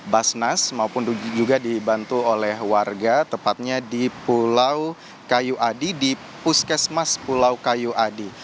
basnas maupun juga dibantu oleh warga tepatnya di pulau kayu adi di puskesmas pulau kayu adi